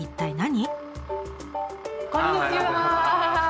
こんにちは。